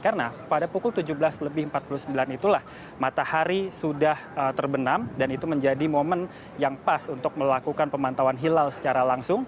karena pada pukul tujuh belas lebih empat puluh sembilan itulah matahari sudah terbenam dan itu menjadi momen yang pas untuk melakukan pemantauan hilal secara langsung